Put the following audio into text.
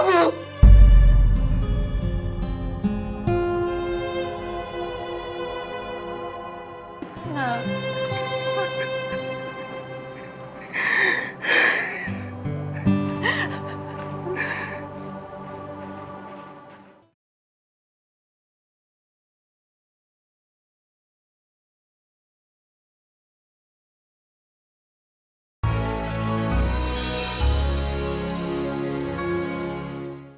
kenapa aku harus kembali ibu